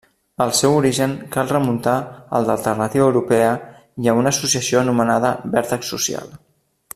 El seu origen cal remuntar al d'Alternativa Europea i a una associació anomenada Vèrtex Social.